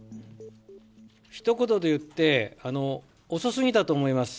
ひと言で言って、遅すぎたと思います。